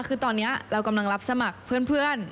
คือตอนนี้เรากำลังรับสมัครเพื่อน